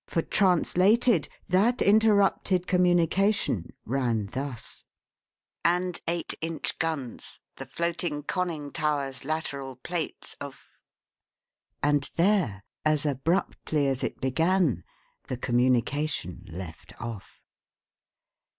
For, translated, that interrupted communication ran thus: "... and eight inch guns. The floating conning tower's lateral plates of ..." And there, as abruptly as it began, the communication left off.